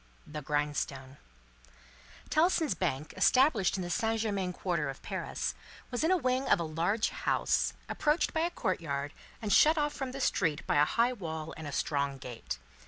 The Grindstone Tellson's Bank, established in the Saint Germain Quarter of Paris, was in a wing of a large house, approached by a courtyard and shut off from the street by a high wall and a strong gate.